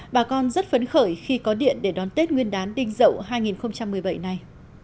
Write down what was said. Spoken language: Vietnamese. bà con rất phấn khởi khi có điện để đón tết nguyên đán đinh dậu hai nghìn một mươi bảy này